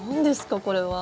これは。